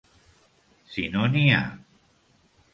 Si no n'hi ha.